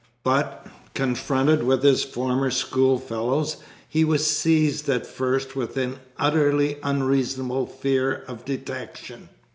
But, confronted with his former schoolfellows, he was seized at first with an utterly unreasonable fear of detection.